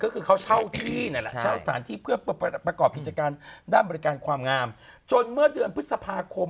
เกิดความรักความผูกพันกัน